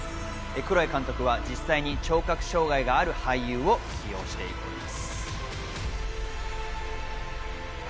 クロエ監督は実際に聴覚障害がある俳優を起用しています。